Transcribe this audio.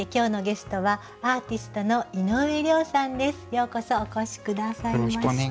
ようこそお越し下さいました。